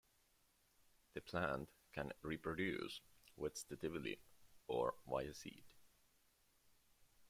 The plant can reproduce vegetatively or via seed.